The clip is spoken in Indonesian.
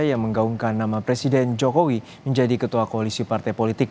yang menggaungkan nama presiden jokowi menjadi ketua koalisi partai politik